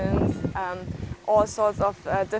saya menelan dengan mantar penjaga dan dolphin